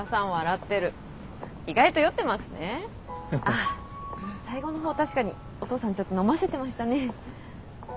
あっ最後の方確かにお父さんちょっと飲ませてましたね。